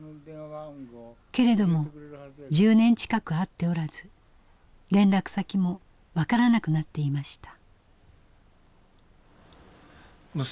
けれども１０年近く会っておらず連絡先も分からなくなっていました。